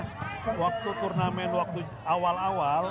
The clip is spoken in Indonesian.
saya pernah waktu turnamen waktu awal awal